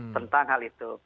tentang hal itu